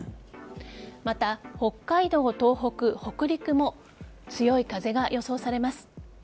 また、北海道、東北、北陸も強い風が予想されます。